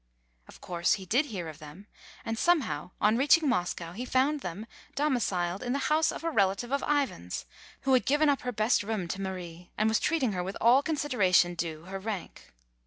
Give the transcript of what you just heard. Of course he did hear of them, and somehow on reaching Moscow he found them domiciled in the A RUSSIAN ELOPEMENT. 255 house of a relative of Ivan's, vrho had given up her best room to Marie, and was treating her with all consideration due her rank.